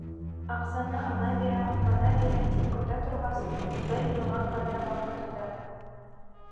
Аҡсаны ана бирә, бына бирә тип көтә торғас, бер йылға ҡәҙәр ваҡыт үтә.